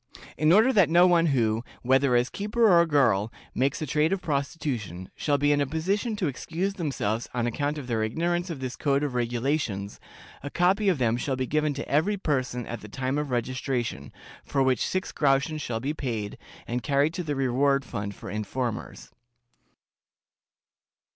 In order that no one who, whether as keeper or girl, makes a trade of prostitution, shall be in a position to excuse themselves on account of their ignorance of this code of regulations, a copy of them shall be given to every person at the time of registration, for which six groschen shall be paid, and carried to the reward fund for informers."